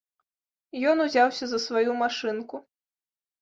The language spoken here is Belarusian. Ён узяўся за сваю машынку.